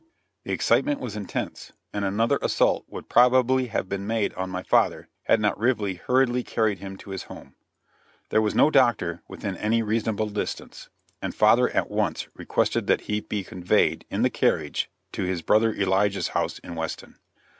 The excitement was intense, and another assault would probably have been made on my father, had not Rively hurriedly carried him to his home. There was no doctor within any reasonable distance, and father at once requested that he be conveyed in the carriage to his brother Elijah's house in Weston.